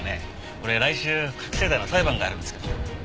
俺来週覚せい剤の裁判があるんですけど。